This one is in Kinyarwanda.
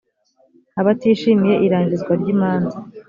abatishimiye irangizwa ry imanza